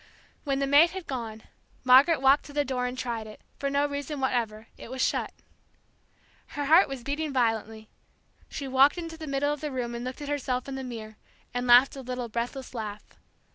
When the maid had gone Margaret walked to the door and tried it, for no reason whatever; it was shut. Her heart was beating violently. She walked into the middle of the room and looked at herself in the mirror, and laughed a little breathless laugh.